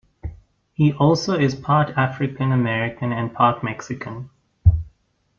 He also is part African American and part Mexican.